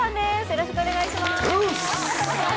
よろしくお願いしますトゥース！